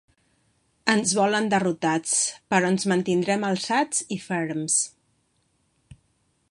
Ens volen derrotats, però ens mantindrem alçats i ferms.